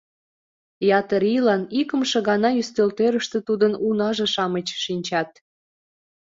Ятыр ийлан икымше гана ӱстелтӧрыштӧ тудын унаже-шамыч шинчат.